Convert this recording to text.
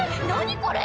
これ。